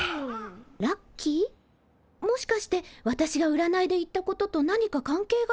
もしかして私がうらないで言ったことと何か関係が？